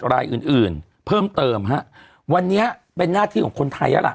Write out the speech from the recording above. รายอื่นอื่นเพิ่มเติมฮะวันนี้เป็นหน้าที่ของคนไทยแล้วล่ะ